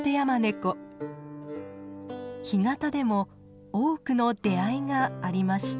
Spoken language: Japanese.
干潟でも多くの出会いがありました。